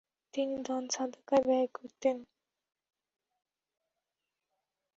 তিনি দানসদকায় ব্যয় করতেন।